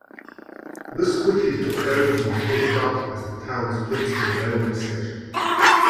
This quickly took over from Port Dock as the town's principal railway station.